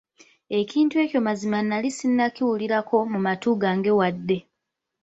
Ekintu ekyo mazima nnali ssinnakiwulirako mu matu gange wadde.